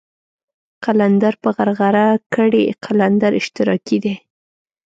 قلندر په غرغره کړئ قلندر اشتراکي دی.